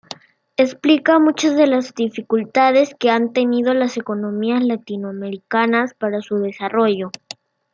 Explica muchas de las dificultades que han tenido las economías latinoamericanas para su desarrollo.